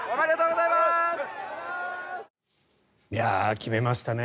決めましたね。